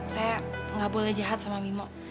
saya gak boleh jahat sama mimmo